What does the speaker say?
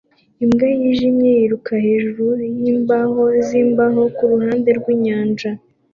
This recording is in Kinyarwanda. Imbwa yijimye yiruka hejuru yimbaho zimbaho kuruhande rwinyanja